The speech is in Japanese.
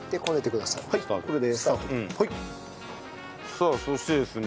さあそしてですね